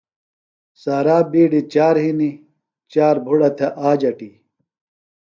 سارا بِیڈیۡ چار ہِنیۡ، چار بُھڑہ تھےۡ آج اٹی